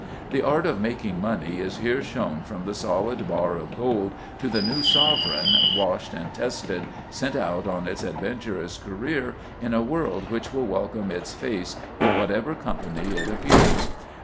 The art of "making money" is here shown from the solid bar of gold to the new sovereign, washed and tested, sent out on its adventurous career in a world which will welcome its face in whatever company it appears.